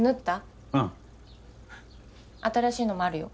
新しいのもあるよ。